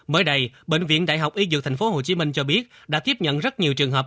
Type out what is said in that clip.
mới đây bệnh viện đại học y dược tp hcm cho biết đã tiếp nhận rất nhiều trường hợp